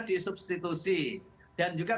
disubstitusi dan juga